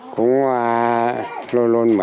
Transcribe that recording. cũng không biết là có gì